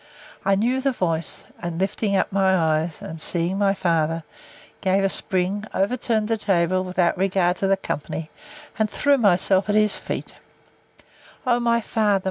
I knew the voice, and, lifting up my eyes, and seeing my father, gave a spring, overturned the table, without regard to the company, and threw myself at his feet: O my father!